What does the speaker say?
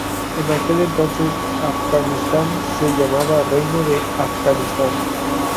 En aquel entonces Afganistán se llamaba Reino de Afganistán.